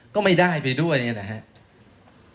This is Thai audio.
ก็ไม่ได้ไปด้วยนะครับ